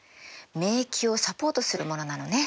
免疫をサポートするものなのね。